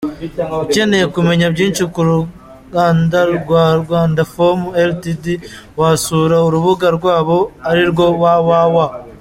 Ukeneye kumenya byinshi ku ruganda rwa Rwanda Foam Ltd,wasura urubuga rwabo arirwo www.